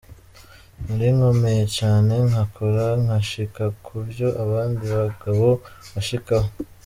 Nari nkomeye cane, nkakora nkashika ku vyo abandi bagabo bashikako.